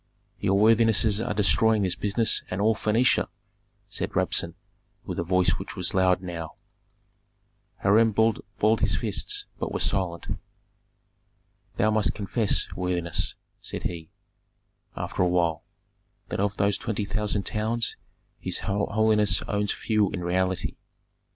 "Your worthinesses are destroying this business and all Phœnicia," said Rabsun, with a voice which was loud now. Hiram balled his fists, but was silent. "Thou must confess, worthiness," said he, after a while, "that of those twenty thousand towns his holiness owns few in reality."